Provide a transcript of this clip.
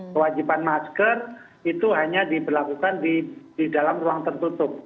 kewajiban masker itu hanya diberlakukan di dalam ruang tertutup